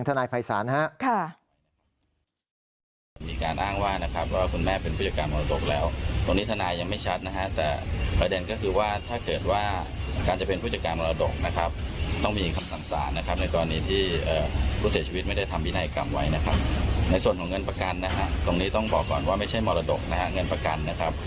ตามความตรงกลับขึ้นของคุณแตงโมใช่ไหมครับ